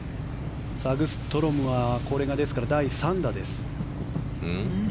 サグストロムはこれが第３打です。